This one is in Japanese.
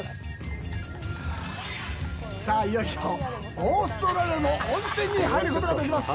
さあ、いよいよ、オーストラリアの温泉に入ることができます！